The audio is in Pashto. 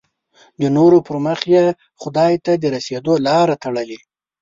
د نورو پر مخ یې خدای ته د رسېدو لاره تړلې.